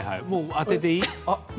当てていい？